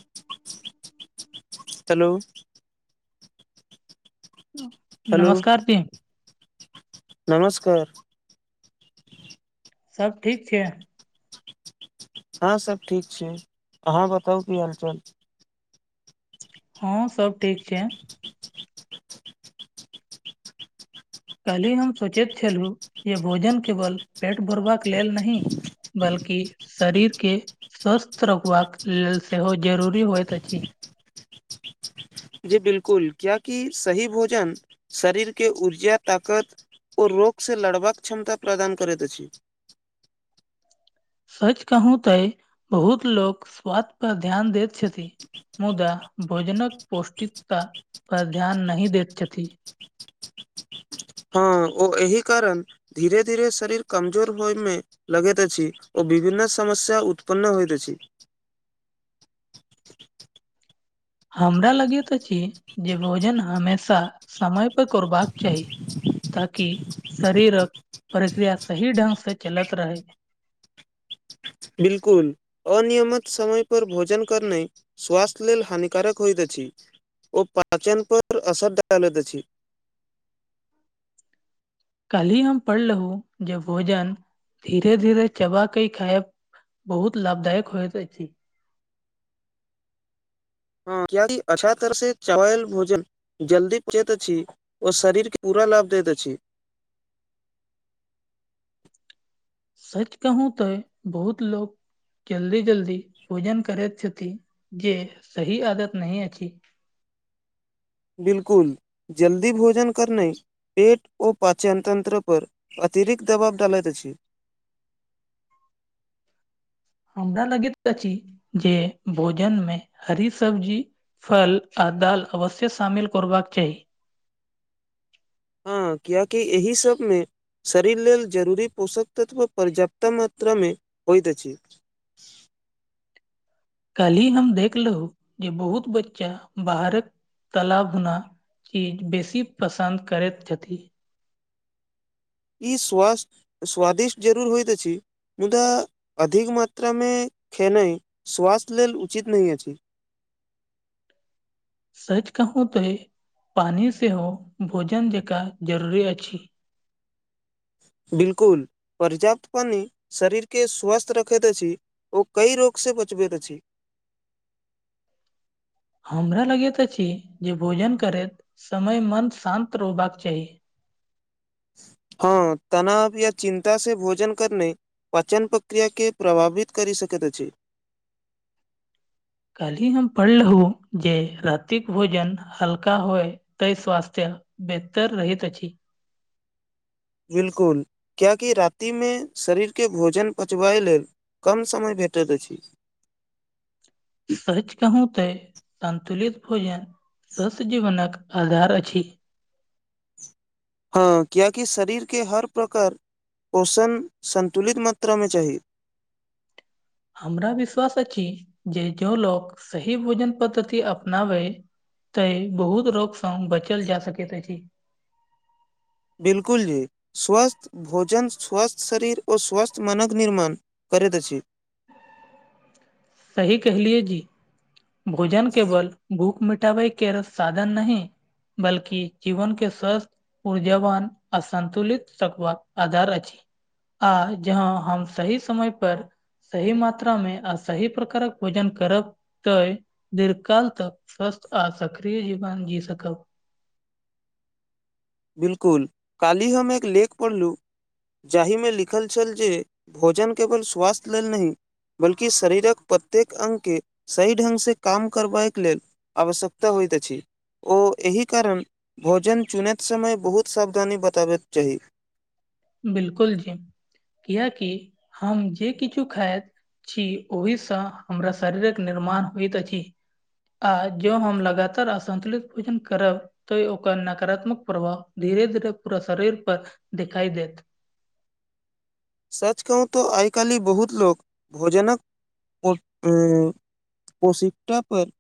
ह hello hello नमस्कार नमस्कार सब ठीक छै हँ सब ठीक छै अहाँ बताउ की हालचाल हँ सब ठीक छै काल्हि हम सोचैत छलहुँ जे भोजन केवल पेट भरबाक लेल नहि बल्कि शरीरके स्वस्थ रखबाक लेल सेहो जरूरी होइत अछि जी बिलकुल क्या की सही भोजन शरीरके ऊर्जा ताकत ओ लोगसँ लड़बाक क्षमता प्रदान करैत अछि सच कहू तऽ बहुत लोक स्वास्थ पर ध्यान दैत छथि मुदा भोजनक पौष्टिकता पर ध्यान नहि दैत छथि हँ ओ एहि कारण धीरे धीरे शरीर कमजोर होइमे लगैत अछि ओ विभन्न समस्या उत्पन्न होइत अछि हमरा लगैत अछि जे भोजन हमेशा समय पर करबाक चाही ताकि शरीरक प्रक्रिया सही ढंग से चलत रहै बिलकुल अनियमित समय पर भोजन करने स्वास्थ्य लेल हानिकारक होइत अछि ओ पाचन पर असर दालैत अछि कल ही हम पढ़ रहु जेब भोजन धीरे धीरे चबाकै खायब बहुत लाभदायक होइत अछि हँ क्याकि अच्छा तर से चवायल भोजन जल्दी पहुचैत अछि ओ शरीरके पूरा लाभ दैत अछि सच कहू तो बहुत लोक जल्दी जल्दी भोजन करैत छथि जे सही आदत नही अछि बिल्कुल जल्दी भोजन करने पेट ओ पाचन तन्त्र पर अतिरिक्त दबाब डालैत अछि हमरा लगै देखी अछि जे भोजन मे हरी सब्जी फल और दाल अवश्य शामिल करबाक चाही हँ कियाकि एहि सबमे शरीर लेल जरूरी पोषक तथवा पर्याप्त मात्रामे होइत अछि काल्हि हम देखलहु जे बहुत बच्चा बाहरक तला भुना चीज बेसी पसन्द करैत छथि ई स्व स्वादिष्ट जरूर होइत छी मुदा अधिक मात्रा मे खेनाइ स्वास्थ्य लेल उचित नहि अछि सच कहू तो पानी सेहो भोजन जकाँ जरुरी अछि बिल्कुल पर्याप्त पानि शरीरके स्वस्थ रखैत अछि ओ कइ रोग से बचबैत अछि हमरा लगैत अछि जे भोजन करैत समय मन शान्त रहबाक चाही हँ तनाव या चिन्ता से भोजन करने पाचन प्रक्रिया के प्रभावित कर सकैत अछि कालहि हम पढ़लु जे रातिक भोजन हल्का होय तय स्वास्थ्य बेहतर रहैत अछि बिल्कुल कियाकी रातिमे शरीरके भोजन पचबाय लेल कम समय भेटैत अछि स [unintelligible] सच कहू ते संन्तुलित भोजन सस्य जीवनक आधार अछि हँ कियाकि शरीरके हर प्रकार पोषण सन्तुलित मात्रा मे चाही हमरा विश्वास अछि जे जँ लोक सही भोजन प‌द्धति अपनावै तऽ बहुत रोग सँ बचल जा सकैत अछि बिल्कुल जी स्वस्थ भोजन स्वस्थ्य शरीर आओर स्वस्थ्य मानक निर्माण करैत अछि सही कहलियए जी भोजन के बल भूख मिटाबै के साधन नहि बल्कि जीवन के स्वस्थ ऊर्जावान आ संतुलित रकबाक आधार अछि आ जहाँ हम सही समय पर सही मात्रा मे आ सही प्रकारक भोजन करब तऽ दीर्घकाल तक स्वस्थ आ सक्रिय जीवन जी सकब बिल्कुल काल्हि हम एक लेख पढ़लु जाहिमे लिखल छल जे भोजन केवल स्वास्थ्य लेल नहि बल्कि शरीरक प्रत्येक अगके सही ढगसँ काम करबै लेल आवश्यकता होइत अछि ओ एहि कारण भोजन चुनैत समय बहुत सावधानी बताबैत चाही बिल्कुल जी कियाकि हम जे किछु खायत छी ओहिसँ हमरा शरीरक निर्माण होइत अछि आ जँ हम लगातार असन्तुलित भोजन करब तऽ ओकर नकारात्मक प्रभाव धीरे धीरे पूरा शरीर पर देखाइ देत [inaudible] सच कहू तऽ आइ काल्हि बहुत लोक भोजनक प्रशिकष्टा पर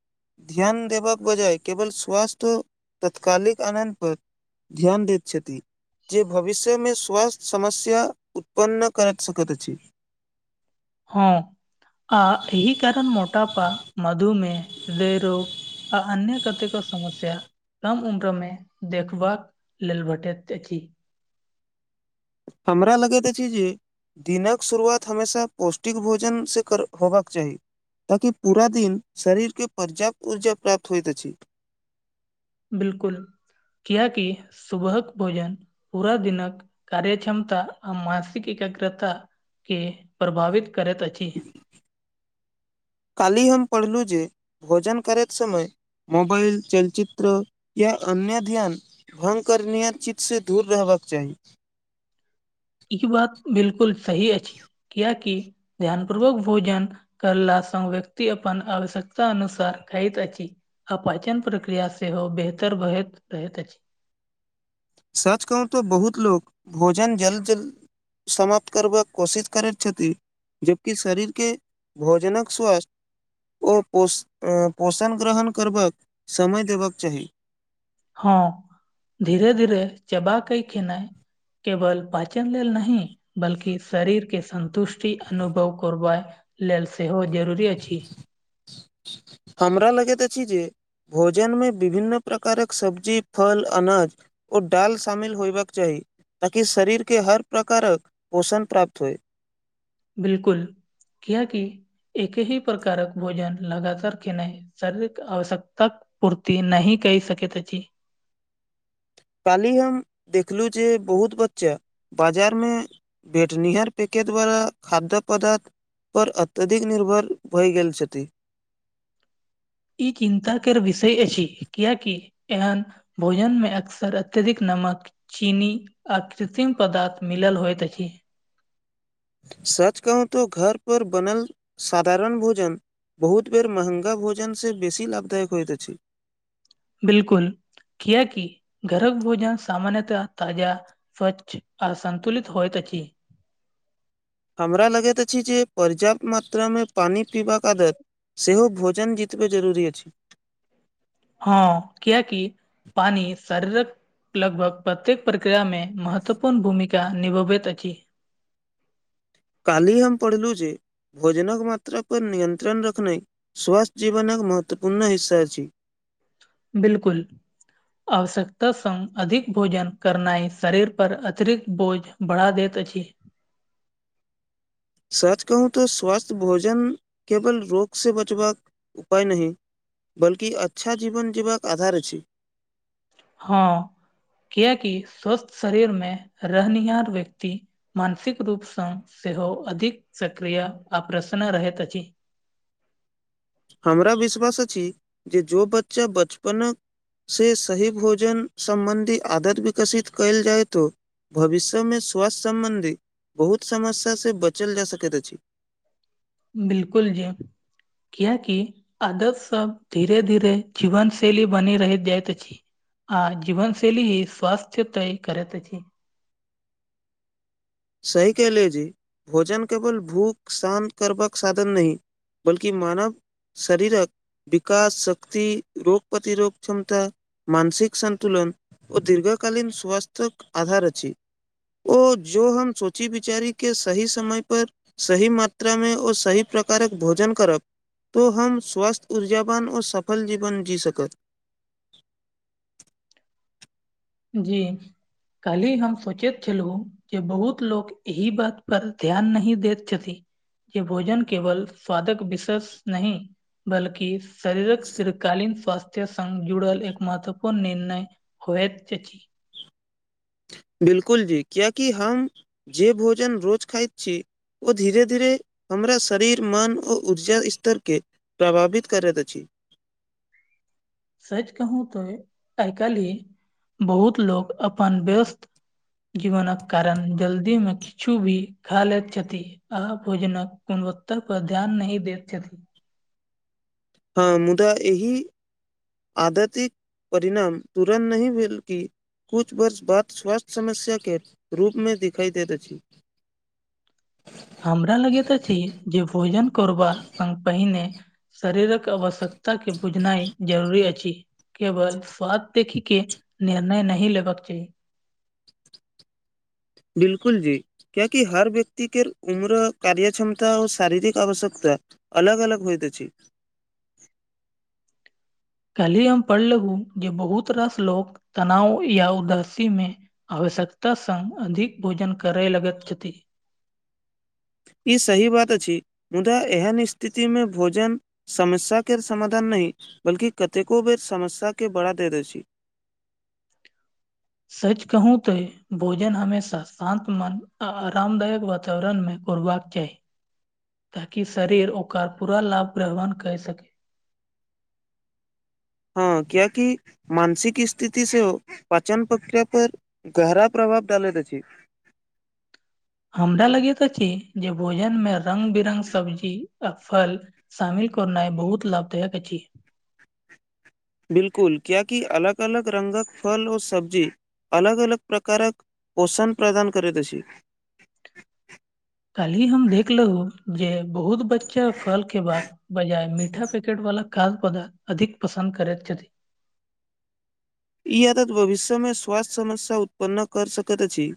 ध्यान देबाक बजाय केवल तत्कालिक आनंद पर। ध्यान दैत छथि, भविष्यमे स्वास्थ्य समस्या। उत्पन्न नहि करऽ सकैत छी। हँ, आ एहि कारण मोटापा, मधुमेह आदि। आ अन्य कतेक समस्या। कम उम्रमे देखबाक लेल भेटैत अछि। करऽ लगैतऽ चीज। दिनक शुरुआत हमेशा पौष्टिक भोजनसँ होयबाक चाही। ताकि पूरा दिन शरीरके पर्याप्त ऊर्जा प्राप्त होइत अछि। बिलकुल, किएक कि सुबहक भोजन पूरा दिनक कार्य क्षमता आ मानसिक एकाग्रताके प्रभावित करैत अछि। [inaudible] काल्हि हम पढ़लहुँ जे भोजन करैत समय मोबाइल, चलचित्र या अन्य ध्यान भंग करनिहार चीजसँ दूर रहबाक चाही। ई बात बिल्कुल सही अछि, किएक कि ध्यानपूर्वक भोजन करलासँ व्यक्ति अपन आवश्यकता अनुसार खाइत अछि। अपाचन प्रक्रिया सेहो बेहतर भऽ जाइत अछि। सर्च कहू तऽ बहुत लोक भोजन जल्दी जल्दी करैत छथि। समाप्त करबाक कोशिश करैत छथि। जबकि शरीरके भोजनक स्वास्थ्य ओ पोषण ग्रहण करबाक समय देबाक चाही। हँ, धीरे धीरे चबाय कऽ खाना। केवल वाचन लेल नहि। बल्कि शरीरके सन्तुष्टिक अनुभव करबाक लेल सेहो जरूरी अछि। [inaudible] हमरा लगैत अछि जे भोजनमे विभिन्न प्रकारक सब्जी, फल, अनाज ओ दालि शामिल होयबाक चाही, ताकि शरीरके हर प्रकारक पोषण प्राप्त होइ। बिल्कूल, किएक कि एक्के प्रकारक भोजन लगातार खेनाइ शारीरिक आवश्यकताके पूर्ति नहि कऽ सकैत अछि। काल्हि हम देखलहुँ जे बहुत बच्चा बाजारमे भेटनिहार पैकेटवाला खाद्य पदार्थ। पर अत्यधिक निर्भर भऽ गेल छथि। ई चिन्ताके विषय अछि, किएक कि एहन भोजनमे अक्सर अत्यधिक नून चीनी आ कृत्रिम पदार्थ मिलल होइत अछि। सच कहू तऽ घर पर बनल साधारण भोजन बहुत बेर महँगा भोजनसँ बेसी लाभदायक होइत अछि। बिल्कूल, किएक कि घरक भोजन सामान्यतः ताजा स्वच्छ आ सन्तुलित होइत अछि। हमरा लगैत अछि जे पर्याप्त मात्रामे पानि पीबाक आदत सेहो भोजन जकाँ कते जरूरी अछि। हँ, किएक कि पानि शारीरक लगभग प्रत्येक प्रक्रियामे महत्वपूर्ण भूमिका निभाबैत अछि। काल्हि हम पढ़लहुँ जे भोजनक मात्रापर नियन्त्रण रखनाइ स्वस्थ जीवनके महत्वपूर्ण हिस्सा अछि। बिल्कुल आवश्यकता संग अधिक भोजन करनाइ शरीर पर अतिरिक्त बोझ बढ़ा दैत अछि सच कहू तऽ स्वास्थ भोजन केवल रोग सँ बचबाक उपाय नहि बल्कि अच्छा जीवन जीबाक आधार अछि हँ किया की स्वस्थ शरीर मे रहनिहार व्यक्ति मानसिक रूपसँ सेहो अधिक सक्रिय आ प्रसन रहैत अछि हमरा विश्वास अछि जे जो बच्चा बचपनक से सही भोजन सम्बन्धी आदत विकऽसित कयल जायत भविष्य में स्वास्थ्य सम्बन्धी बहुत समस्या स बचल जा सकैत अछि बिलकुल जी कियाकि अदैब सब धीरे धीरे जीवन शैली बनी रहहि जाइत अछि आ जीवन शैली ही स्वस्थ्य तय करैत अछि सही कले जी भोजन केवल भूख शान्त करबाक साधन नहि बल्कि मानव शरीरक विकास शक्ति रोग प्रतिरोग क्षमता मानसिक सन्तुलन ओ दीर्घ कालीन स्वास्थ्यक आधार अछि ओ जो हम सोची बिचारी के सही समय पर सही मात्रामे ओ सही प्रकारक भोजन करब तो हम स्वस्थ्य ऊर्जावान आओर सफल जीवन जी सकत जी कालहि हम सोचैत छलहुँ जे बहुत लोक एहि बात पर ध्यान नहि दैत छथि जे भोजन केवल स्वादक विशेष नहि बल्कि शरीरक दीर्कालीन स्वासस्थ्य संग जुड़ल एक महत्वपूर्ण निर्णय होएत अछि बिलकुल जी कियाकि हम जे भोजन रोज खाइत छी ओ धीरे धीरे हमरा शरीर मन ओ ऊर्जा स्तर के प्रभावित करैत अछि सच कहूं तो आइ काल्हि बहुत लोग अपन व्यस्त जीवनक कारण जल्दी में किछु भी खा लैत छथि आ भोजनक गुणवत्ता पर ध्यान नहि दैत छथि हँ मुदा एहि आदतिक परिणाम तुरन् नहि भेल् की कुछ वर्ष बाद स्वास्थ्य समस्या के रूपमे दिखाइ दैत अछि हमरा लगैत अछि जे भोजन करबा संग पहिने शरीरक आवश्यकता के बुझनाइ जरूरी अछि केवल स्वाद देखी के निर्णय नहि लेबाक चाही बिलकुल जी क्याकि हर व्यक्ति के उम्र कार्य क्षमता आऔ शारीरिक आवश्यकता अलग अलग होइत छी काल्हि हम पढ़लहूॅं जे बहुत रास लो तनाव या उदासी मे आवश्यकता सङ अधिक भोजन करै लगत छथि ई सही बात अछि मुदा एहन स्थितिमे भोजन समस्या के समाधान नहि बल्कि कतेको बेर समस्या के बड़ा दे दै छी सच कहू तऽ भोजन हमेशा शान्त मन आ आरामदायक वातावरणमे करबाक चाही ताकि शरीर ओकर पूरा लाभ प्रवान कै सकै हँ क्यकि मानसिक स्थिति से पाचन प्रक्रिया पर गहरा प्रभाव डालैत अछि हमरा लगैत अछि जे भोजन मे रंग बिरंग सब्जी आ फल सामिल करनाइ बहुत लाभदायक अछि बिलकुल क्याकी अलग अलग रंगक फल और सब्जी अलग अलग प्रकारक पोषण प्रदान करैत अछि काल्हि हम देखलहु जे बहुत बच्चा फल के बात बजाय मीठा पैकेट वला खाज पदार्थ अधिक पसन्द करै छथि ई आदत भविष्यमे स्वास्थ्य समस्या उत्पन्न कर सकैत अछि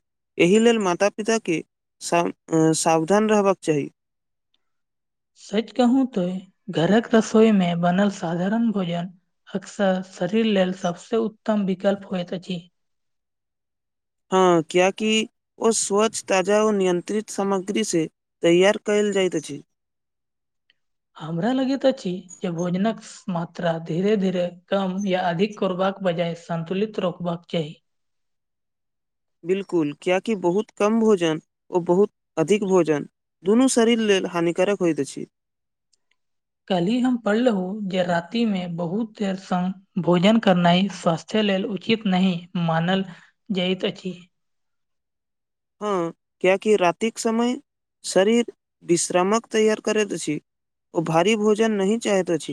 एहि लेल माता पिताके सावधान रहबाक चाही सच कहू तो घरक रसोई मे बनल साधारण भोजन अक्सर शरीर लेल सबसे उत्तम विकल्प होइत अछि हँ क्येकि ओ स्वच्छ ताजा ओ नियंत्रित सामग्री से तैयार कइल जाइत अछि हमरा लगैत अछि जे भोजनक मात्रा धीरे धीरे कम या अधिक करबाक बजाय सन्तुलित रोकबाक चाही बिल्कुल कियाकि बहुत कम भोजन ओ बहुत अधिक भोजन दुनू शरीर लेल हानिकारक होइत अछि कलहि हम पढ़लौ जे राति मे बहुत देर सँ भोजन करनाय स्वस्थ [unintelligible] लेल उचित नहि मानल जाइत अछि हँ कियाकि रातिक समय शरीर विश्रामक तैयार करैत अछि ओ भारी भोजन नहि चाहैत अछि